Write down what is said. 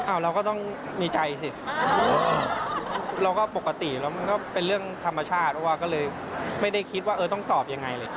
เราก็ต้องมีใจสิเราก็ปกติแล้วมันก็เป็นเรื่องธรรมชาติเพราะว่าก็เลยไม่ได้คิดว่าเออต้องตอบยังไงเลย